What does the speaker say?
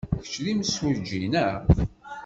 Kečč d imsujji, naɣ?